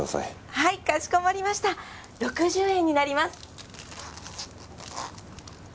はいかしこまりました６０円になります。